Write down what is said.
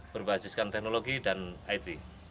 berbasiskan teknologi dan it